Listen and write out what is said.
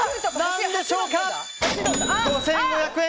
５５００円！